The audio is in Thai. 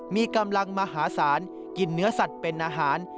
มีกำลังมหาศาลกินเนื้อสัตว์เป็นอาหาร